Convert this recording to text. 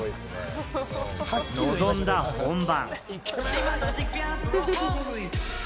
臨んだ本番。